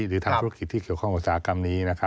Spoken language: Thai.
หรือทำธุรกิจที่เกี่ยวข้องอุตสาหกรรมนี้